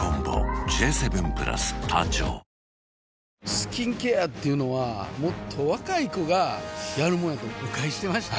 スキンケアっていうのはもっと若い子がやるもんやと誤解してました